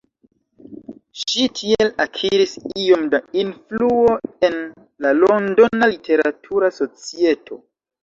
Ŝi tiel akiris iom da influo en la londona literatura societo.